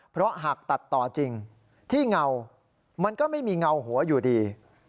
เพราะหากตัดต่อจริงที่เงามันก็ไม่มีเงาหัวอยู่ดี